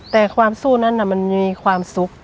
แต่ความสู้นั้นมันมีความสุข